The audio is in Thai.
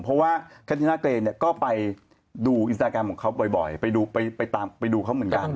เพราะว่าแคทรินาเกย์ไปดูอินสตาแกรมเพื่อนบ่อยไปดูเขาเหมือนกัน